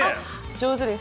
上手です。